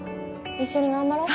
一緒に頑張ろう